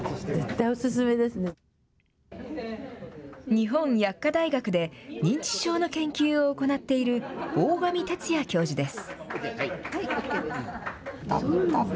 日本薬科大学で認知症の研究を行っている大上哲也教授です。